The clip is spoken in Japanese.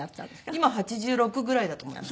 今８６ぐらいだと思いますけど。